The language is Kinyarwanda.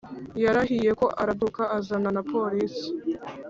Yarahiye ko arabyuka azana na police